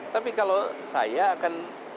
tapi kalau saya akan